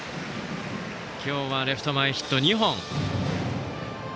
今日はレフト前ヒットが２本。